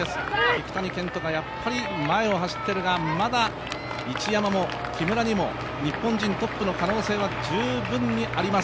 聞谷賢人がやっぱり前を走っているが、まだ市山も木村にも日本人トップの可能性は十分あります。